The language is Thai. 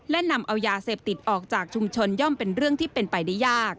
และนำเอายาเสพติดออกจากชุมชนย่อมเป็นเรื่องที่เป็นไปได้ยาก